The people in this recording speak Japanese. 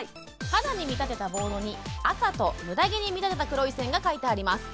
肌に見立てたボードに赤とムダ毛に見立てた黒い線が書いてあります